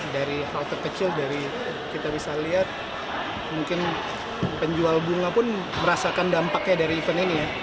dari hal terkecil dari kita bisa lihat mungkin penjual bunga pun merasakan dampaknya dari event ini ya